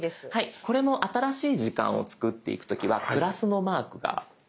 これも新しい時間を作っていく時はプラスのマークがどこかに。